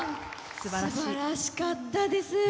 すばらしかったです。